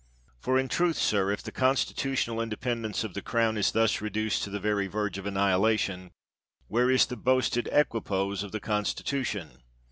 For, in truth, sir, if the constitutional inde pendence of the Crown is thus reduced to the very verge of annihilation, where is the boasted equipoise of the Constitution?